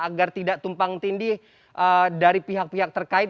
agar tidak tumpang tindih dari pihak pihak terkait